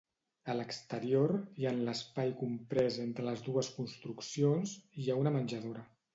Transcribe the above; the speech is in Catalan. A l'exterior, i en l'espai comprès entre les dues construccions, hi ha una menjadora.